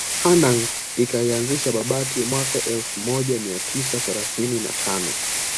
Hanang ikaianzisha Babati mwaka elfu moja mia tisa themanini na tano